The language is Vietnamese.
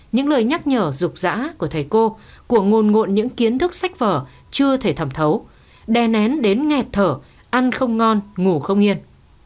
những lời nhắc nhở rục rã của thầy cô của ngồn ngộn những kiến thức sách vở chưa thể thẩm thấu đè nén đến nghẹt thở ăn không ngon ngủ không yên